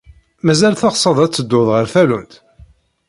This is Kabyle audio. Mazal teɣsed ad teddud ɣer tallunt?